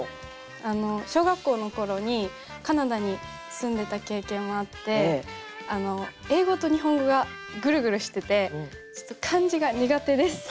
小学校の頃にカナダに住んでた経験もあって英語と日本語がグルグルしててちょっと漢字が苦手です。